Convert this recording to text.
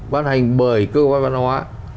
ban hành bởi cơ quan văn hóa